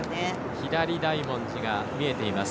左大文字が見えています。